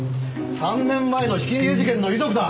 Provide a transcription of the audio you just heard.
３年前のひき逃げ事件の遺族だ！